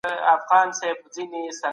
د ارغنداب سیند شاوخوا طبیعت ډېر ښکلی دی.